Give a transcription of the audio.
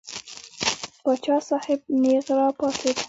پاچا صاحب نېغ را پاڅېد.